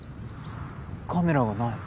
カメラがない。